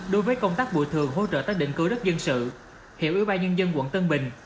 đối với công tác bộ thường hỗ trợ tác định cư đất dân sự hiệu ủy ba nhân dân quận tân bình